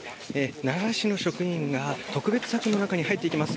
奈良市の職員が特別柵の中に入っていきます。